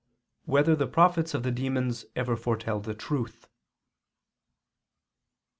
6] Whether the Prophets of the Demons Ever Foretell the Truth?